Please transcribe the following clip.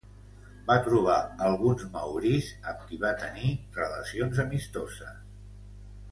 Va trobar alguns maoris amb qui va tenir relacions amistoses.